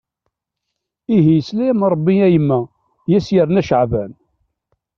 Ihi yesla-am-d Rebbi a yemma. I as-yerna Caɛban.